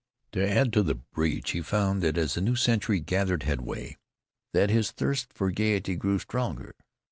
To add to the breach, he found, as the new century gathered headway, that his thirst for gaiety grew stronger.